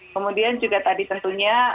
kemudian juga tadi tentunya